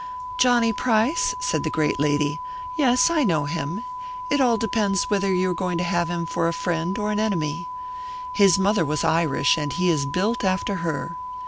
"Johnny Price?" said the great lady. "Yes, I know him. It all depends whether you are going to have him for a friend or an enemy. His mother was Irish, and he is built after her.